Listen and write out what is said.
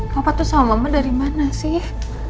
papa tuh sama mama dari mana sih